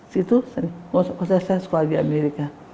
situ saya sekolah di amerika